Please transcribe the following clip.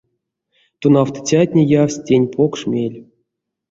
Тонавтыцятне явсть тень покш мель.